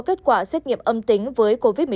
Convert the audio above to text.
kết quả xét nghiệm âm tính với covid một mươi chín